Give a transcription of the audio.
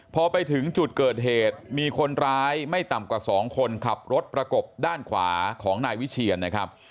พอไปถึงจุดเกิดเหตุมีคนร้ายไม่ต่ำกว่า๒คนขับรถประกบด้านขวาของนายวิเชียนนะครับ